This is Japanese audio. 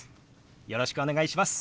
よろしくお願いします。